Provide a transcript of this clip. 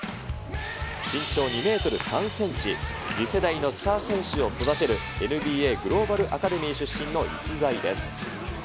身長２メートル３センチ、次世代のスター選手を育てる、ＮＢＡグローバルアカデミー出身の逸材です。